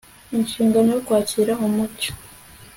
inshingano yo kwakira umucyo